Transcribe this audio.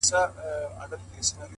• نا امیده له درمل مرګ ته یې پام سو,